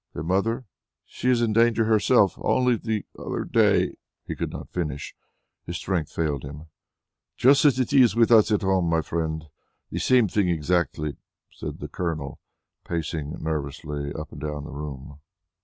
Their mother? She is in danger herself. Only the other day...." He could not finish; his strength failed him. "Just as it is with us at home, my friend. The same thing exactly," said the Colonel, pacing nervously up and down the room.